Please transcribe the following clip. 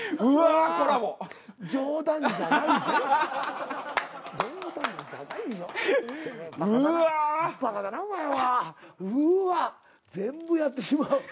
うわっ全部やってしまう。